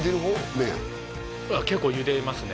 麺結構ゆでますね